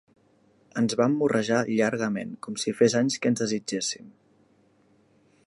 Ens vam morrejar llargament, com si fes anys que ens desitgéssim.